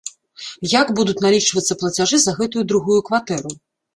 Як будуць налічвацца плацяжы за гэтую другую кватэру?